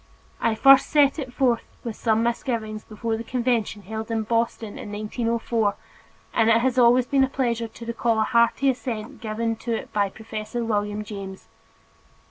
I first set it forth with some misgiving before the Convention held in Boston in 1904 and it is always a pleasure to recall the hearty assent given to it by Professor William James.